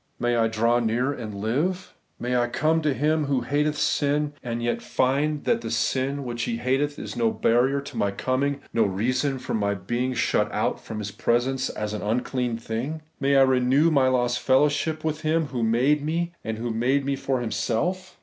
May I draw near, and live ? May I come to Him who hateth sin, and yet find that the sin which He hateth is no barrier to my coming, no reason for my being shut out from His presence as an unclean thing ? May I renew my lost fellowship with Him who made me, and made me for Himself